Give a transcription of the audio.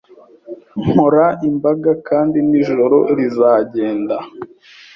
nkora imbaga Kandi nijoro rizagenda